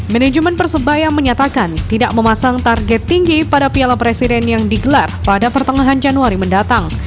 manajemen persebaya menyatakan tidak memasang target tinggi pada piala presiden yang digelar pada pertengahan januari mendatang